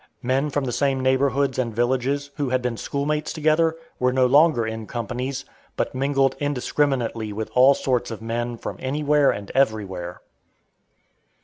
Men from the same neighborhoods and villages, who had been schoolmates together, were no longer in companies, but mingled indiscriminately with all sorts of men from anywhere and everywhere.